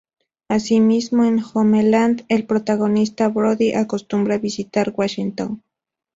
Así mismo, en "Homeland", el protagonista Brody acostumbra visitar Washington.